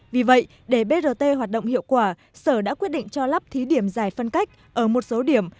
vì vậy để brt hoạt động hiệu quả sở đã quyết định cho lắp thí điểm giải phân cách ở một số điểm